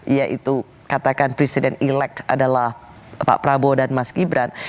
yaitu katakan presiden elek adalah pak prabowo dan mas gibran